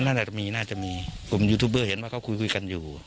ผมว่าน่าจะมีน่าจะมียูทูบเบอร์เห็นว่าเขาคุยกันอยู่